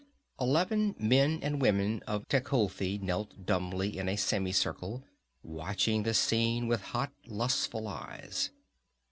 Eleven men and women of Tecuhltli knelt dumbly in a semicircle, watching the scene with hot, lustful eyes.